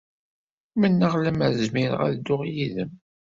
Mennaɣ lemmer zmireɣ ad dduɣ yid-m.